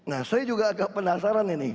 nah saya juga agak penasaran ini